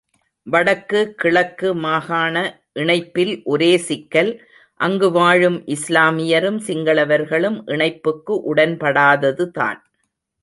வடக்கு கிழக்கு மாகாண இணைப்பில் ஒரே சிக்கல், ஆங்கு வாழும் இஸ்லாமியரும் சிங்களவர்களும் இணைப்புக்கு உடன் பாடததுதான்!